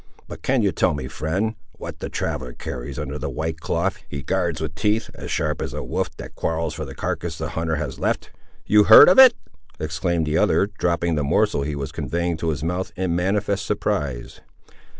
But can you tell me, friend, what the traveller carries under the white cloth, he guards with teeth as sharp as a wolf that quarrels for the carcass the hunter has left?" "You've heard of it!" exclaimed the other, dropping the morsel he was conveying to his mouth in manifest surprise.